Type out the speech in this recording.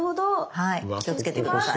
はい気を付けて下さい。